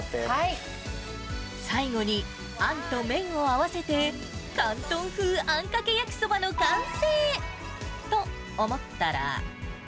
最後に、あんと麺を合わせて、広東風あんかけ焼きそばの完成。と思ったら。